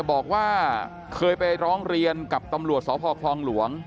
บอกว่าเคยไปร้องเรียนกับตำรวจสพคลองหลวง